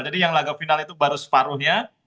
yang laga final itu baru separuhnya